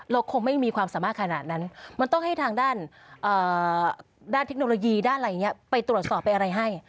คงไม่มีความสามารถขนาดนั้นมันต้องให้ทางด้านด้านเทคโนโลยีด้านอะไรอย่างนี้ไปตรวจสอบไปอะไรให้